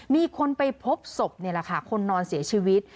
มีคนไปพบศพคนนอนเสียชีวิต